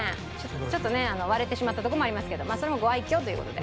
ちょっとね割れてしまったとこもありますけどそれもご愛嬌という事で。